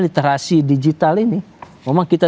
literasi digital ini memang kita